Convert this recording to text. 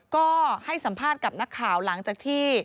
ก็ให้สัมภาษณ์กับนักข่าวหลังจากที่